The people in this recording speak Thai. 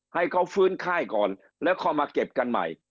ให้เขาฟื้นค่ายก่อนแล้วค่อยมาเก็บกันใหม่